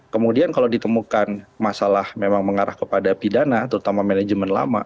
kemudian kalau ditemukan masalah memang mengarah kepada pidana terutama manajemen lama